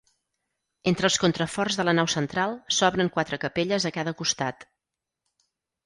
Entre els contraforts de la nau central s'obren quatre capelles a cada costat.